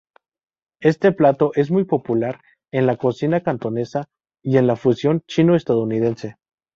Este plato es muy popular en la cocina cantonesa y en la fusión chino-estadounidense.